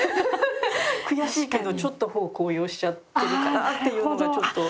悔しいけどちょっと高揚しちゃってるかなっていうのがちょっと。